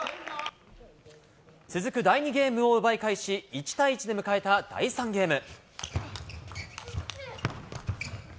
続く第２ゲームを奪い返し、１対１で迎えた第３ゲーム。